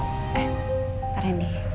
eh pak randy